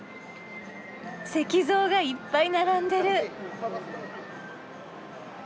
石像がいっぱい並んでる。